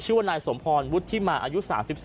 ชื่อว่านายสมพรวุฒิมาอายุ๓๒